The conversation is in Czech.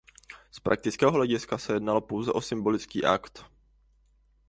Z praktického hlediska se jednalo pouze o symbolický akt.